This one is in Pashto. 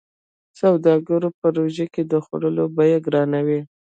سوداګرو په روژه کې د خوړو بيې ګرانوي.